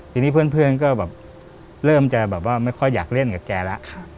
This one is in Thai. ทีนี้เพื่อนก็เริ่มจะไม่ค่อยอยากเล่นกับแกละ